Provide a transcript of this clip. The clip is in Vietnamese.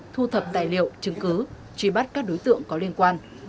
thu thập tài liệu chứng cứ truy bắt các đối tượng có liên quan